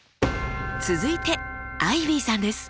続いてアイビーさんです。